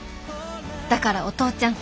だからお父ちゃん